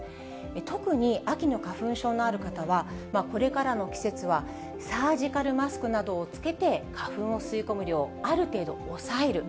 特に秋の花粉症のある方は、これからの季節は、サージカルマスクなどをつけて花粉を吸い込む量、ある程度抑える。